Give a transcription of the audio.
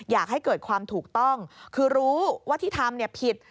อยากให้เกิดความถูกต้องคือรู้ว่าที่ทำผิด